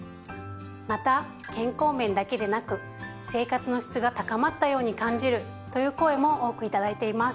また健康面だけでなく生活の質が高まったように感じるという声も多く頂いています。